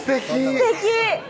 すてき！